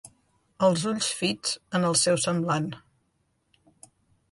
Els ulls fits en el seu semblant.